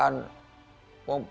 janganlah perbedaan agama